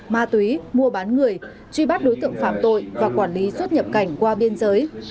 ma túy mua bán người truy bắt đối tượng phạm tội và quản lý xuất nhập cảnh qua biên giới